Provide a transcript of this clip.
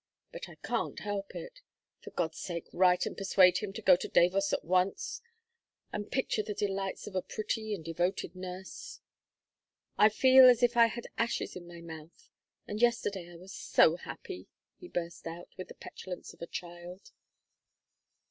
But I can't help it. For God's sake write and persuade him to go to Davos at once and picture the delights of a pretty and devoted nurse. I feel as if I had ashes in my mouth and yesterday I was so happy!" he burst out, with the petulance of a child.